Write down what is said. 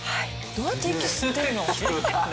どうやって息吸ってるの？